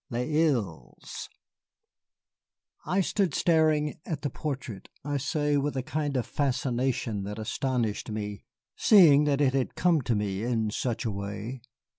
LES ILES I stood staring at the portrait, I say, with a kind of fascination that astonished me, seeing that it had come to me in such a way.